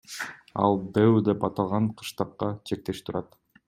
Ал ДЭУ деп аталган кыштакка чектеш турат.